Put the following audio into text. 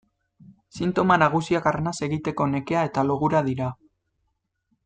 Sintoma nagusiak arnas egiteko nekea eta logura dira.